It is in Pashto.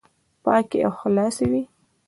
پاکي او خلاصي وي،